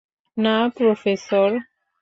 না, প্রফেসর!